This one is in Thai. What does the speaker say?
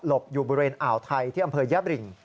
หลบอยู่บริเวณอ่าวไทยที่อำเภยแย่หลิง